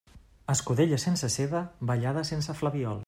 Escudella sense ceba, ballada sense flabiol.